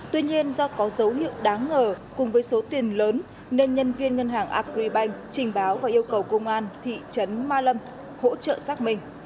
tuy nhiên do có dấu hiệu đáng ngờ cùng với số tiền lớn nên nhân viên ngân hàng agribank trình báo và yêu cầu công an thị trấn ma lâm hỗ trợ xác minh